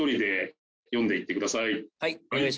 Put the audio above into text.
はい。